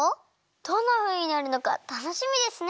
どんなふうになるのかたのしみですね！